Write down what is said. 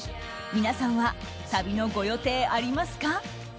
皆さんは旅のご予定ありますか？